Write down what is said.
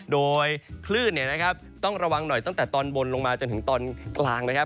โดยคลื่นต้องระวังหน่อยตั้งแต่ตอนบนลงมาจนถึงตอนกลางนะครับ